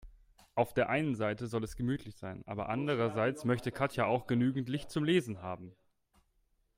Auf der einen Seite soll es gemütlich sein, aber andererseits möchte Katja auch genügend Licht zum Lesen haben.